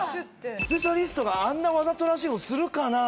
スペシャリストがあんなわざとらしいことするかな？